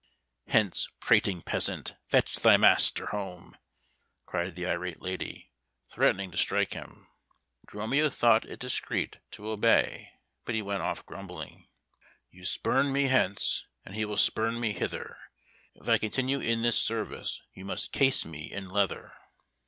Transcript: "Hence, prating peasant, fetch thy master home," cried the irate lady, threatening to strike him. Dromio thought it discreet to obey, but he went off grumbling. "You spurn me hence, and he will spurn me hither; if I continue in this service, you must case me in leather."